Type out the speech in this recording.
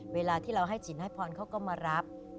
เวลาที่เราให้สินให้พรเขาก็มารับ